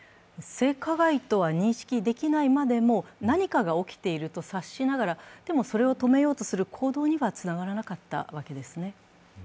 性加害とは認識できないまでも、何かが起きていると察しながらでもそれを止めようとする行動にはつながらなかったわけですね。